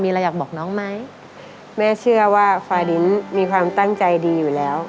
อะไรอยากบอกน้องไหมแม่เชื่อว่าฟาดินมีความตั้งใจดีอยู่แล้ว